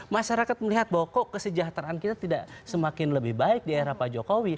masyarakat melihat bahwa kok kesejahteraan kita tidak semakin lebih baik di era pak jokowi